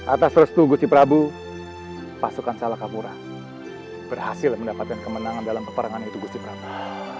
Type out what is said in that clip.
atas restu gusi prabu pasukan salakapura berhasil mendapatkan kemenangan dalam peperangan itu gusti praka